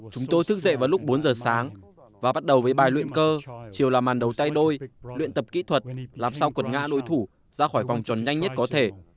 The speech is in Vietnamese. chúng tôi thức dậy vào lúc bốn giờ sáng và bắt đầu với bài luyện cơ chiều làm màn đầu tay đôi luyện tập kỹ thuật làm sao quật ngã đội thủ ra khỏi vòng chuẩn nhanh nhất có thể